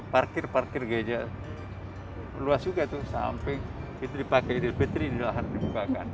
parkir parkir gereja luas juga sampai itu dipakai di petri di dalam hal ini